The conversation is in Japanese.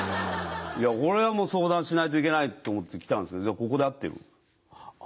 これはもう相談しないといけないと思って来たんですけど、ここで合ってる？